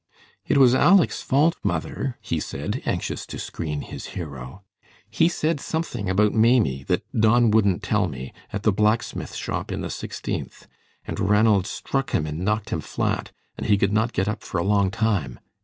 "It was Aleck's fault, mother," he said, anxious to screen his hero. "He said something about Maimie, that Don wouldn't tell me, at the blacksmith shop in the Sixteenth, and Ranald struck him and knocked him flat, and he could not get up for a long time.